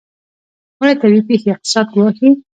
آیا طبیعي پیښې اقتصاد ګواښي؟